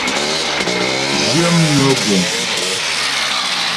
Zhyə mnwə guŋ.